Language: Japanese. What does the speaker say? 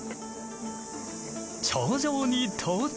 頂上に到着。